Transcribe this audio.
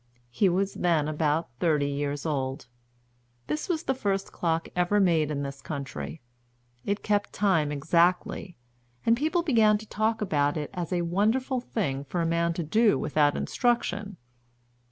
He was then about thirty years old. This was the first clock ever made in this country. It kept time exactly, and people began to talk about it as a wonderful thing for a man to do without instruction.